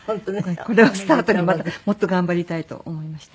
これをスタートにもっと頑張りたいと思いました。